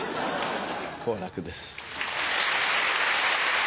好楽です。